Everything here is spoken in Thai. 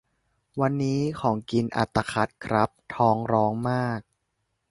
วันนี้ของกินอัตคัดครับ ท้องร้องมาก